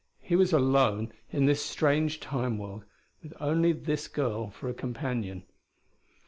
He was alone in this strange Time world, with only this girl for a companion.